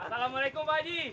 assalamualaikum pak haji